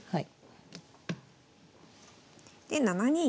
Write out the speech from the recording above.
はい。